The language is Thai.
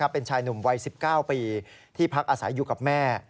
เป็นชายหนุ่มวัย๑๙ปีที่พักอาศัยอยู่กับแม่